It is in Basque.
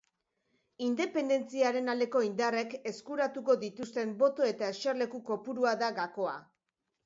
Independentziaren aldeko indarrek eskuratuko dituzten boto eta eserleku kopurua da gakoa.